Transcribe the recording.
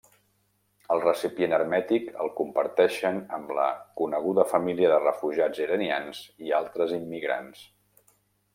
El recipient hermètic el comparteixen amb la coneguda família de refugiats iranians i altres immigrants.